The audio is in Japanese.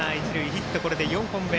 ヒット、これで４本目。